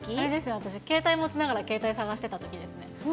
私、携帯持ちながら携帯探してたときですね。